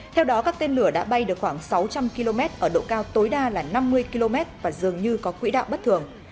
theo đó các tên lửa đã bay được khoảng sáu trăm linh km ở độ cao tối đa là năm mươi km và dường như có quỹ đạo bất thường